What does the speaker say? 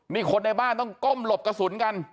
นี่คนในบ้านต้องก้มหลบกระสุนกัน